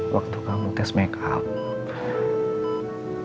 waktu kamu tes makeup